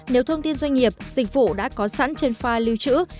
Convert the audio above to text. nếu thông tin doanh nghiệp dịch vụ đã có sẵn trên file lưu trữ